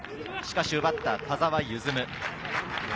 しかし奪った、田澤夢積。